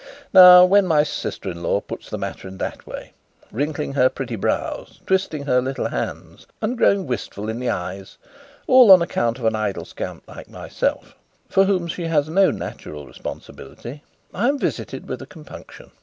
Now, when my sister in law puts the matter in that way, wrinkling her pretty brows, twisting her little hands, and growing wistful in the eyes, all on account of an idle scamp like myself, for whom she has no natural responsibility, I am visited with compunction.